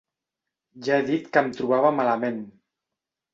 Ja he dit que em trobava malament.